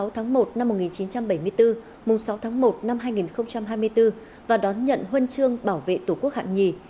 hai mươi tháng một năm một nghìn chín trăm bảy mươi bốn sáu tháng một năm hai nghìn hai mươi bốn và đón nhận huân chương bảo vệ tổ quốc hạng nhì